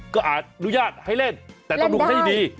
ก็อาจอนุญาตให้เล่นแต่ต้องลงให้ดี